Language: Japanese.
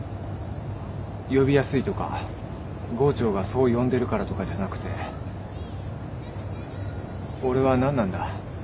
呼びやすいとか郷長がそう呼んでるからとかじゃなくて俺は何なんだ？